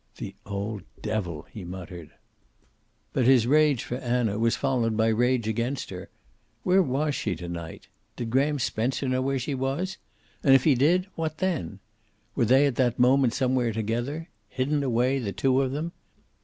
"The old devil!" he muttered. But his rage for Anna was followed by rage against her. Where was she to night? Did Graham Spencer know where she was? And if he did, what then? Were they at that moment somewhere together? Hidden away, the two of them?